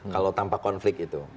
kalau tanpa konflik itu